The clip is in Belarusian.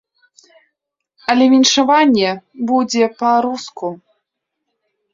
Але віншаванне будзе па-руску.